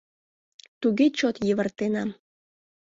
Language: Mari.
Туге чот йывыртенам.